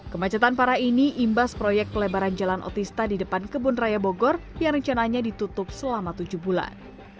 kemacetan parah ini imbas proyek pelebaran jalan otista di depan kebun raya bogor yang rencananya ditutup selama tujuh bulan